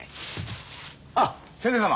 あっ先生様。